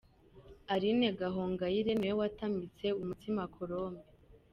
Aline Gahongayire niwe watamitse umutsima Colombe.